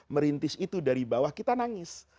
merintis itu dari bawah kita nangis